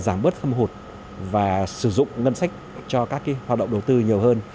giảm bớt thâm hụt và sử dụng ngân sách cho các hoạt động đầu tư nhiều hơn